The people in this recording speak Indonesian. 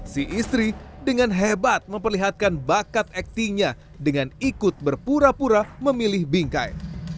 si istri dengan hebat memperlihatkan bakat aktinya dengan ikut berpura pura memilih bingkai